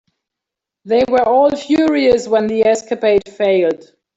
They were all furious when the escapade failed.